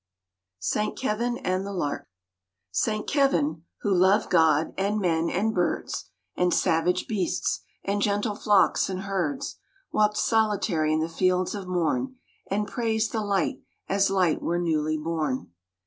Saint IKevrtn ant> tbe Xarfe S AINT KEVIN, who loved God, and men and birds, And savage beasts, and gentle flocks and herds, Walked solitary in the fields of morn, And praised the light, as light were newly born.